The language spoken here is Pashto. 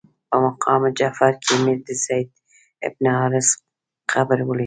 په مقام جعفر کې مې د زید بن حارثه قبر ولید.